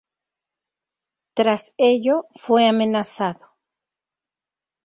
Tras ello fue amenazado.